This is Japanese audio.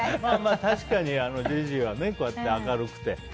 確かにジェシーはこうやって明るくて。